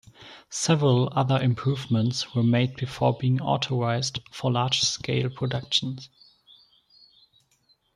Several other improvements were made before being authorized for large-scale production.